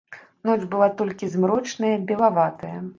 Ноч была толькі змрочная, белаватая.